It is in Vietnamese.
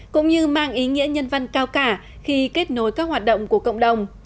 cũng như mang ý nghĩa nhân văn cao cả khi kết nối các hoạt động của cộng đồng